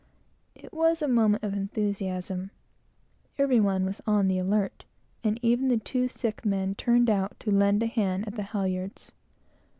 It was a moment of enthusiasm. Every one was on the alert, and even the two sick men turned out to lend a hand at the halyards.